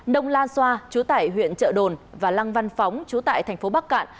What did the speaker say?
nông lan xoa chú tại huyện trợ đồn và lăng văn phóng chú tại thành phố bắc cạn